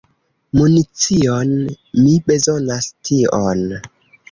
Municion! Mi bezonas tion.